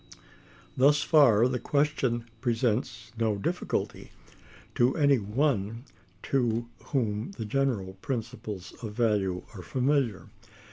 Thus far the question presents no difficulty, to any one to whom the general principles of value are familiar.